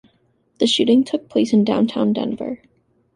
The shooting took place in downtown Denver.